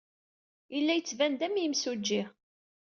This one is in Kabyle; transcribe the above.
Yella yettban-d am yemsujji.